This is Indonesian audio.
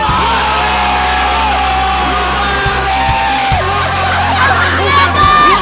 semangat ya jangan